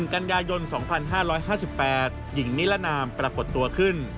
กันยายน๒๕๕๘หญิงนิรนามปรากฏตัวขึ้น